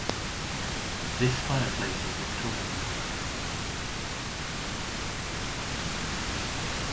This fireplace is Victorian.